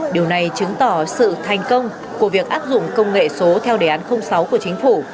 điều này chứng tỏ sự thành công của việc áp dụng công nghệ số theo đề án sáu của chính phủ